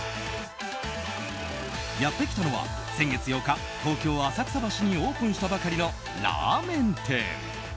やってきたのは先月８日、東京・浅草橋にオープンしたばかりのラーメン店。